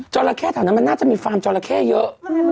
จราแข้เท่านั้นมันน่าจะมีฟาร์มจราแข้เยอะ